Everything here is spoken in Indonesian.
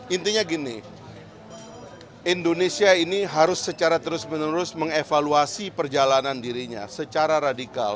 intinya gini indonesia ini harus secara terus menerus mengevaluasi perjalanan dirinya secara radikal